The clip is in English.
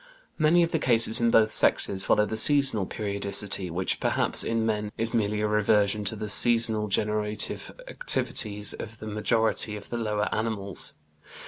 Many of the cases in both sexes follow the seasonal periodicity which perhaps in man is merely a reversion to the seasonal generative activities of the majority of the lower animals."